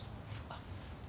あっ。